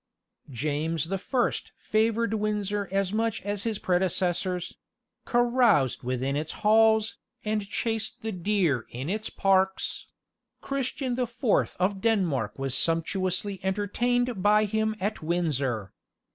James the First favoured Windsor as much as his predecessors; caroused within its halls, and chased the deer in its parks; Christian the Fourth of Denmark was sumptuously entertained by him at Windsor.